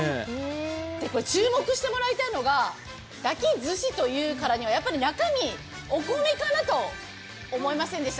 注目してもらいたいのが、だき寿司というからには抱くのは中身はお米かなと思いませんでした？